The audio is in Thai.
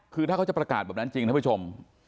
คือถ้าจะประกาศาบันญังจริงนะผู้ชม